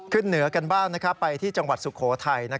เหนือกันบ้างไปที่จังหวัดสุโขทัย